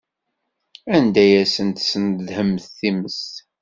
Anda ay asent-tesnedḥemt times?